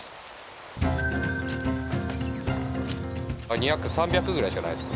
２００３００ぐらいしかないです